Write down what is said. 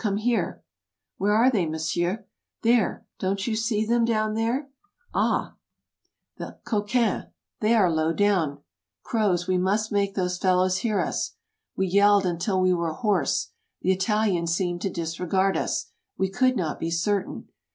come here!" "Where are they, monsieur?" "There — don't you see them down there?" "Ah! the 214 TRAVELERS AND EXPLORERS coqirins! they are low down." " Croz, we must make those fellows hear us." We yelled until we were hoarse. The Italians seemed to disregard us — we could not be certain.